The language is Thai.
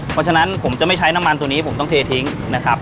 เพราะฉะนั้นผมจะไม่ใช้น้ำมันตัวนี้ผมต้องเททิ้งนะครับ